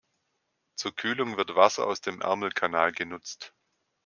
Zur Kühlung wird Wasser aus dem Ärmelkanal genutzt.